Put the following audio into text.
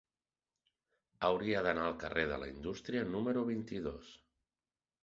Hauria d'anar al carrer de la Indústria número vint-i-dos.